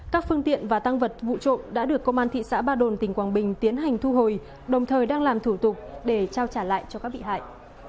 các phương tiện và tăng vật vụ trộm đã được công an thị xã ba đồn tỉnh quảng bình tiến hành thu hồi đồng thời đang làm thủ tục để trao trả lại cho các bị hại